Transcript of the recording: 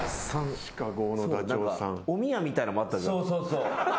おみやみたいなのもあったじゃん。